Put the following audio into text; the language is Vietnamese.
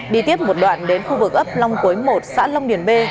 đi tiếp một đoạn đến khu vực ấp long quối một xã long điển b